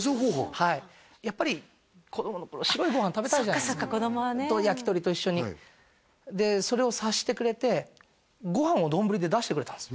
はいやっぱり子供の頃白いご飯食べたいそっか子供はねと焼き鳥と一緒にでそれを察してくれてご飯を丼で出してくれたんす